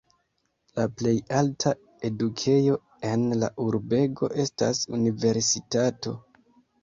La plej alta edukejo en la urbego estas universitato.